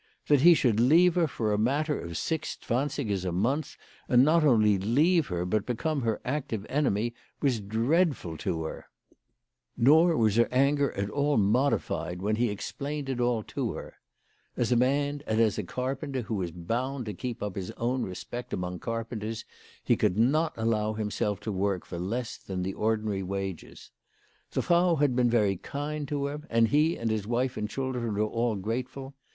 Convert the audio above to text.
That he should leave her for a matter of six zwansigers a month, and not only leave her, but become her active enemy, was dreadful to her. JN"or was her anger at all modified when he explained it all WHY FEAU FROHMAIS'N RAISED IIEU PKICES. 57 to her. As a man, and as a carpenter who was bound to keep up his own respect among carpenters, he could not allow himself to work for less than the ordinary wages. The Frau had been very kind to him, and he and his wife and children were all grateful.